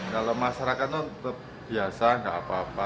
kalau masyarakat itu tetap biasa nggak apa apa